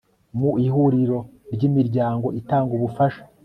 mu Ihuriro ry Imiryango itanga Ubufasha